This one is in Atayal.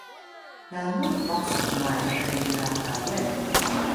nanu baq su kmayal ke na Tayal